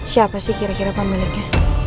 siapa sih kira kira pemiliknya